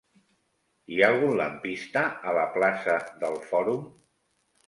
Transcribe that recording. Hi ha algun lampista a la plaça del Fòrum?